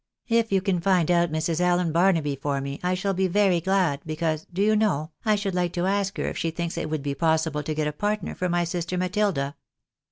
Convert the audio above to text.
" If you can find out Mrs. Alien Barnaby for me, I shall be very glad, because, do you know, I should like to ask her if she thinks it would be possible to get a partner for my sister Matilda."